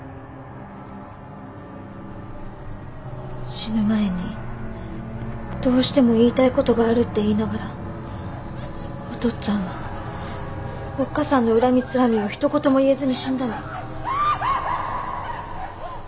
「死ぬ前にどうしても言いたい事がある」って言いながらお父っつぁんはおっ母さんの恨みつらみをひと言も言えずに死んだの。